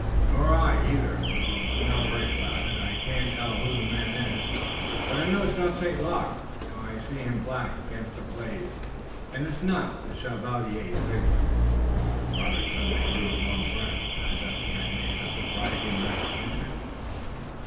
"Nor I, either, though I'm not worried about it. I can't tell who the man is, but I know it's not St. Luc. Now I see him black against the blaze, and it's not the Chevalier's figure." Robert suddenly drew a long breath, as if he had made a surprising recognition.